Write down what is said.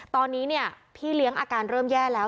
ตอนนี้เนี่ยพี่เลี้ยงอาการเริ่มแย่แล้ว